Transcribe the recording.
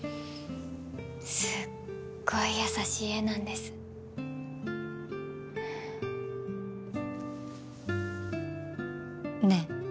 すっごい優しい絵なんですねえ